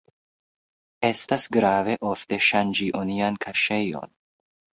Estas grave ofte ŝanĝi onian kaŝejon.